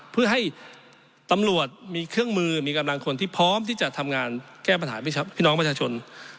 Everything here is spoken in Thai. เพื่อให้ตำรวจมีเครื่องมือมีกำลังคนที่พร้อมที่จะทำงานแก้ปัญหาพี่น้องประชาชน